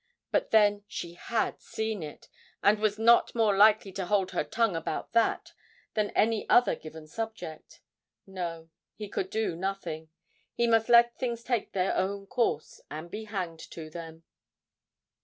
But then she had seen it, and was not more likely to hold her tongue about that than any other given subject. No, he could do nothing; he must let things take their own course and be hanged to them!